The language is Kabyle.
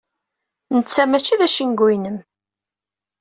Netta mačči d acengu-inem.